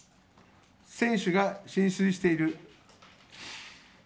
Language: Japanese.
船首が浸水している。